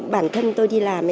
bản thân tôi đi làm